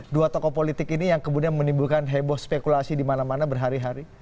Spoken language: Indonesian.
dua tokoh politik ini yang kemudian menimbulkan heboh spekulasi di mana mana berhari hari